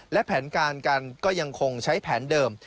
และแผนการกันก็ยังคงใช้แผนเดิม